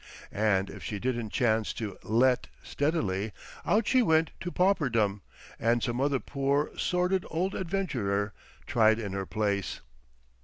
And if she didn't chance to "let" steadily, out she went to pauperdom and some other poor, sordid old adventurer tried in her place....